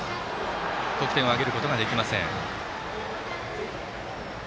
得点を挙げることができません。